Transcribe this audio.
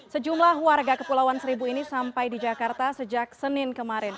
sejumlah warga kepulauan seribu ini sampai di jakarta sejak senin kemarin